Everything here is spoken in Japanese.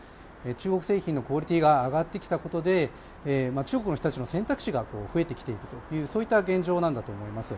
中国製品のクオリティーが上がってきたことで中国の人たちの選択肢が増えてきているといった現状なんだと思います。